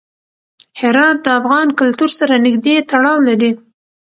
هرات د افغان کلتور سره نږدې تړاو لري.